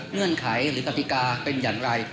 เงื่อนไขหรือกติกาเป็นอย่างไร